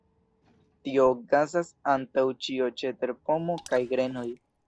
Tio okazas antaŭ ĉio ĉe terpomo kaj grenoj.